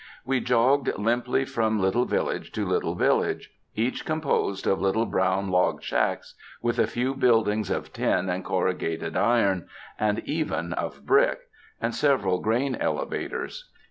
We jogged limply from little village to little village, each composed of little brown log shacks, with a few buildings of tin and corrugated iron, and even of brick, and several grain elevators.